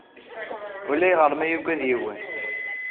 Ulayɣer ma yuggad yiwen.